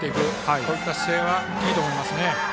こういった姿勢はいいと思います。